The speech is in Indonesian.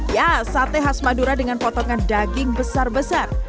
ya sate khas madura dengan potongan daging besar besar